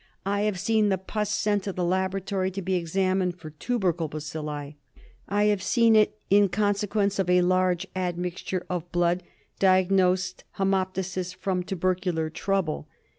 I have seen the pus sent to the laboratory to be examined for tubercle bacilli ; I have seen it, in consequence of a large admixture of blood, diagnosed haemoptysis from tubercular trouble.